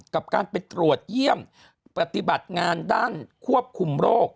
กับการไปตรวจเยี่ยมปฏิบัติงานด้านควบคุมโรค